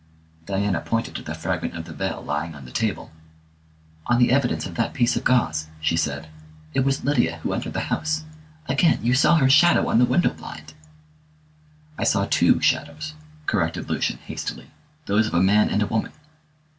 Diana pointed to the fragment of the veil lying on the table. "On the evidence of that piece of gauze," she said, "it was Lydia who entered the house. Again, you saw her shadow on the window blind." "I saw two shadows," corrected Lucian hastily, "those of a man and a woman."